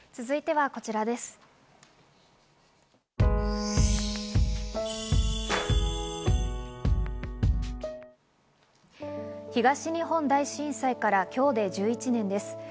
続いてはこちらです。